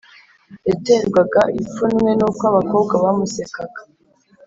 yaterwaga ipfunwe n’uko abakobwa bamusekaga